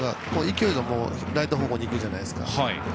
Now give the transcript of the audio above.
勢いがライト方向にいくじゃないですか。